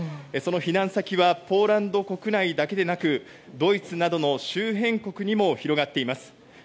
その避難先はポーランド国内だけでなくドイツなどの周辺国にも広がっています。